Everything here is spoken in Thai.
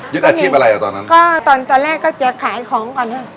ยืดอาชีพอะไรอ๋อตอนนั้นก็ตอนเราก็จะขายของก่อน